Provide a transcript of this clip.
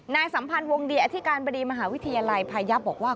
สัมพันธ์วงดีอธิการบดีมหาวิทยาลัยพายับบอกว่า